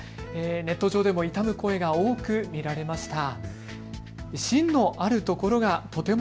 ネット上でも悼む声が多く見られました。